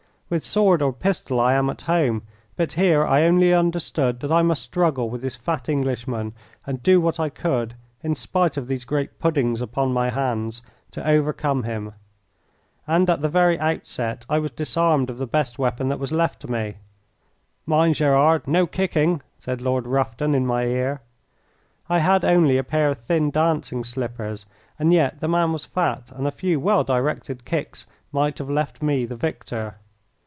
With sword or pistol I am at home, but here I only understood that I must struggle with this fat Englishman and do what I could, in spite of these great puddings upon my hands, to overcome him. And at the very outset I was disarmed of the best weapon that was left to me. "Mind, Gerard, no kicking!" said Lord Rufton in my ear. I had only a pair of thin dancing slippers, and yet the man was fat, and a few well directed kicks might have left me the victor.